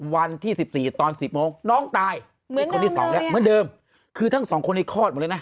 วันที่๑๔ตอน๑๐โมงน้องตายเหมือนเดิมคือทั้งสองคนได้คลอด